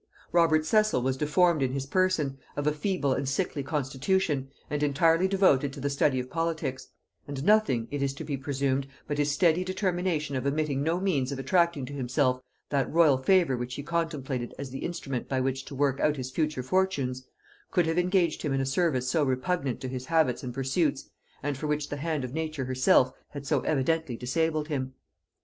Robert Cecil was deformed in his person, of a feeble and sickly constitution, and entirely devoted to the study of politics; and nothing, it is to be presumed, but his steady determination of omitting no means of attracting to himself that royal favor which he contemplated as the instrument by which to work out his future fortunes, could have engaged him in a service so repugnant to his habits and pursuits, and for which the hand of nature herself had so evidently disabled him.